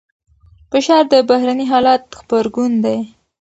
فشار د بهرني حالت غبرګون دی.